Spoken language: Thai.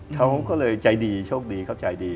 เขาก็เลยใจดีโชคดีเขาใจดี